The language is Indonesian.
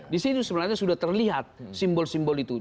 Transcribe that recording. disini sebenarnya sudah terlihat simbol simbol itu